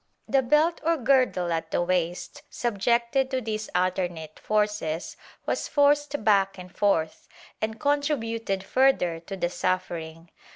The belt or girdle at the waist, subjected to these alternate forces was forced back and forth and contrib uted further to the suffering.